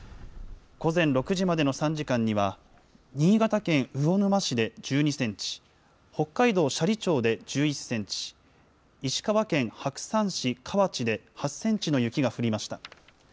午前６時までの３時間には、新潟県魚沼市で１２センチ、北海道斜里町で１１センチ、石川県白山市河内で８センチの雪が降りました。